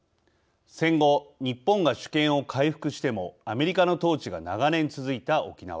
戦後日本が主権を回復してもアメリカの統治が長年続いた沖縄。